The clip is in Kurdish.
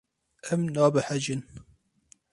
Em nabehecin.